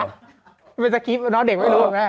มันเป็นสคริปต์เนาะเด็กไม่รู้แม่